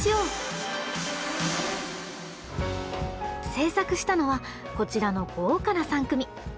制作したのはこちらの豪華な３組！